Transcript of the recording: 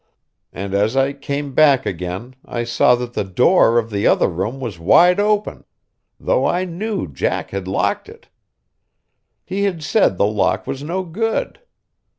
And as I came back again I saw that the door of the other room was wide open, though I knew Jack had locked it. He had said the lock was no good.